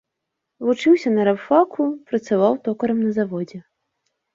Вучыўся на рабфаку, працаваў токарам на заводзе.